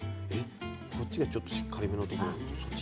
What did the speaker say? こっちがちょっとしっかりめのところがあるから